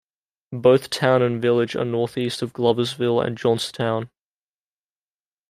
Both town and village are northeast of Gloversville and Johnstown.